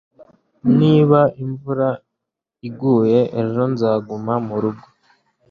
Niba imvura iguye ejo nzaguma murugo